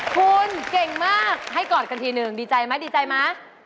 คุณเก่งมากให้กอดกันทีหนึ่งดีใจไหมดีใจไหม